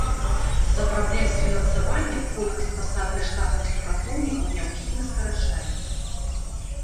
З-за праблем з фінансаваннем колькасць пасад для штатных супрацоўнікаў няўхільна скарачаецца.